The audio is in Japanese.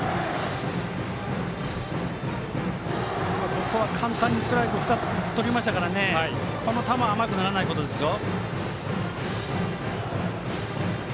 ここは簡単にストライク２つとりましたのでこの球、甘くならないことですよ。